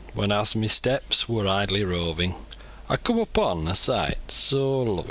When, as my steps wor idly rovin, Aw coom upon a seet soa lovin!